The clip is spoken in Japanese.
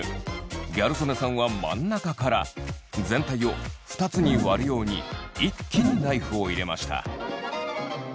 ギャル曽根さんは真ん中から全体を二つに割るように一気にナイフを入れました。